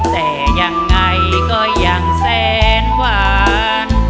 แต่ยังไงก็ยังแสนหวาน